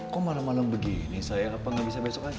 kok malem malem begini sayang apa gak bisa besok aja